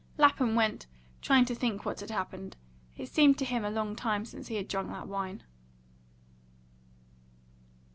Lapham went, trying to think what had happened. It seemed to him a long time since he had drunk that wine.